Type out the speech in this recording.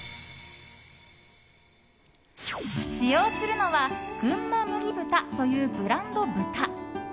使用するのはぐんま麦豚というブランド豚。